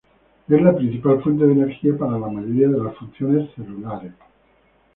Es la principal fuente de energía para la mayoría de las funciones celulares.